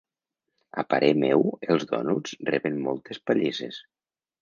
A parer meu, els dònuts reben moltes pallisses.